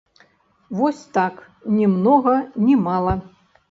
Вось так, ні многа, ні мала.